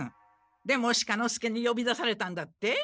出茂鹿之介によび出されたんだって？